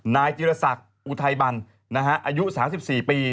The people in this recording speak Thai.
นายจิรษักอุทัยบันอายุ๓๔ปี